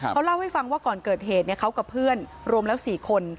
เขาเล่าให้ฟังว่าก่อนเกิดเหตุเขากับเพื่อนรวมแล้ว๔คน